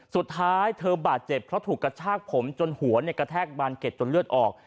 สุดท้ายเธอบาดเจ็บเพราะถูกกระชากผมจนหัวกระแทกบานเก็ตจนเลือดออก